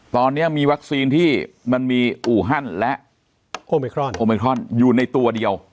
ตอนนี้มีวัคซีนที่มันมีอู่ฮั่นและโอเมครอนโอมิครอนอยู่ในตัวเดียว